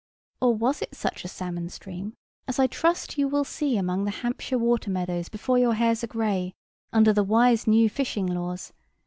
Or was it such a salmon stream as I trust you will see among the Hampshire water meadows before your hairs are gray, under the wise new fishing laws?